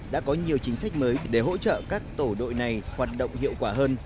đã có nhiều chính sách mới để hỗ trợ các tổ đội này hoạt động hiệu quả hơn